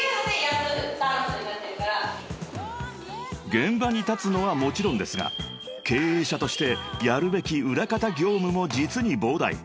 ［現場に立つのはもちろんですが経営者としてやるべき裏方業務も実に膨大］